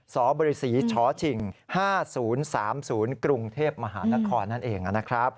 สบริษีชฉิง๕๐๓๐กรุงเทพมหานคร